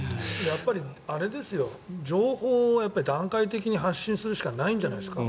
やっぱり情報を段階的に発信するしかないんじゃないですか。